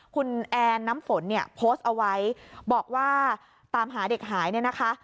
คุณแอนน้ำฝนเนี่ยโพสต์เอาไว้บอกว่าตามหาเด็กหายเนี่ยนะคะ